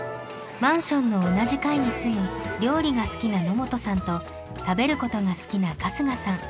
マンションの同じ階に住む料理が好きな野本さんと食べることが好きな春日さん。